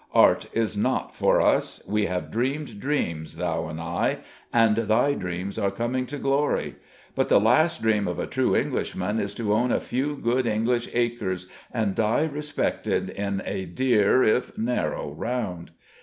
Art is not for us. We have dreamed dreams, thou and I: and thy dreams are coming to glory. But the last dream of a true Englishman is to own a few good English acres and die respected in a dear, if narrow, round.